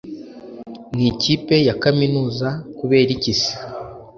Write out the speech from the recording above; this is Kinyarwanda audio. mwikipe ya kaminuza, kuberiki se!